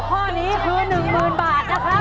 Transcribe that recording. ถูกค่ะถูกข้อนี้คือ๑หมื่นบาทนะครับ